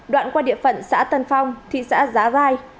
đoạn qua địa phận xã tân phong thị xã giá rai